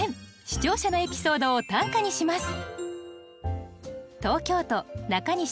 視聴者のエピソードを短歌にします。